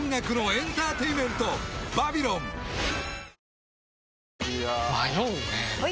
いや迷うねはい！